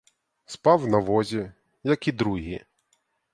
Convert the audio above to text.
Спав на возі, як і другі.